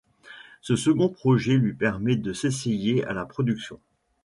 Ce second projet lui permet de s'essayer à la production.